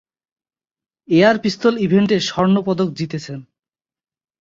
Air pistol ইভেন্টে স্বর্ণ পদক জিতেছেন।